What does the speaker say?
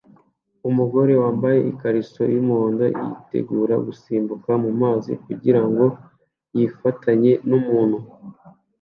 Umugore wambaye ikariso yumuhondo yitegura gusimbuka mumazi kugirango yifatanye numuntu